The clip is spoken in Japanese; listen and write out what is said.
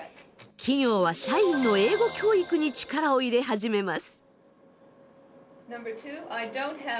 企業は社員の英語教育に力を入れ始めます。